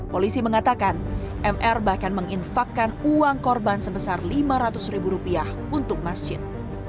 polisi mengatakan mr bahkan menginfakkan uang korban sebesar lima ratus ribu rupiah untuk masjid